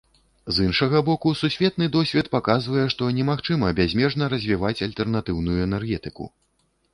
З іншага боку, сусветны досвед паказвае, што немагчыма бязмежна развіваць альтэрнатыўную энергетыку.